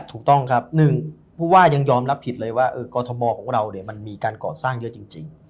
ถูกต้องครับหนึ่งผู้ว่ายังยอมรับผิดเลยว่ากรทมของเรามันมีการก่อสร้างเยอะจริง